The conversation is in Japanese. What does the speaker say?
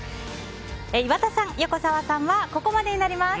岩田さん、横澤さんはここまでになります。